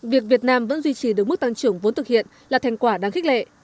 việc việt nam vẫn duy trì được mức tăng trưởng vốn thực hiện là thành quả đáng khích lệ